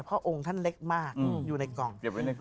เพราะองค์ท่านเล็กมากอยู่ในกล่อง